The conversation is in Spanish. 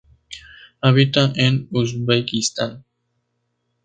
Habita en Uzbekistán.